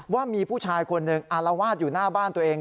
ว่ามีผู้ชายคนหนึ่งอารวาสอยู่หน้าบ้านตัวเอง